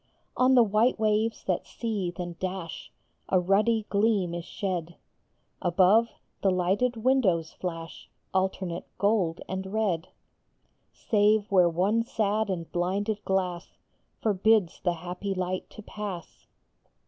On the white waves that seethe and dash A ruddy gleam is shed ; Above, the lighted windows flash Alternate gold and red, Save where one sad and blinded glass Forbids the happy light to pass.